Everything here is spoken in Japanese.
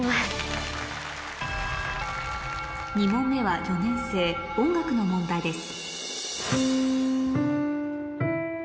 ２問目は４年生音楽の問題です